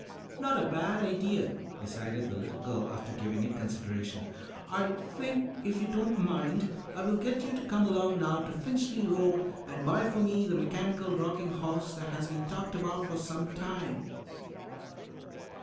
"Not a bad idea," decided the little girl, after giving it consideration. "I think if you don't mind I will get you to come along now to Finchley Road and buy for me the mechanical rocking horse that has been talked about for some time."